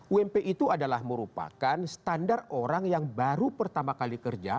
ump itu adalah merupakan standar orang yang baru pertama kali kerja